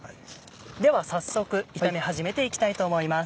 では早速炒め始めていきたいと思います。